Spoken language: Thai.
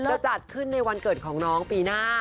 จะจัดขึ้นในวันเกิดของน้องปีหน้า